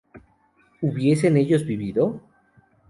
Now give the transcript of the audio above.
¿hubiesen ellos vivido?